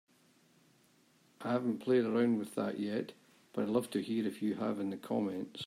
I haven't played around with that yet, but I'd love to hear if you have in the comments.